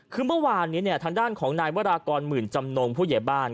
คือเมื่อวานนี้ทางด้านของนายวรากรหมื่นจำนงผู้ใหญ่บ้าน